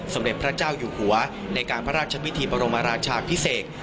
สมเด็จพระเจ้าอยู่หัวในการพระราชพิธีบรมราชาพิเศษ